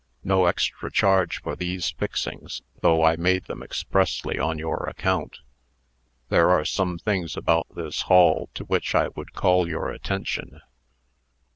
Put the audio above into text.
No extra charge for these fixings, though I made them expressly on your account. There are some things about this hall to which I would call your attention.